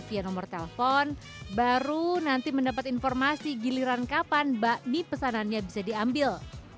via nomor telepon baru nanti mendapat informasi giliran kapan bakmi pesanannya bisa diambil